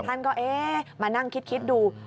ท่านก็เอ๊ะมานั่งคิดดู